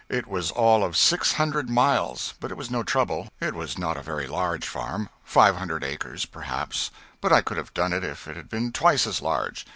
It was all of six hundred miles, but it was no trouble, it was not a very large farm; five hundred acres, perhaps, but I could have done it if it had been twice as large.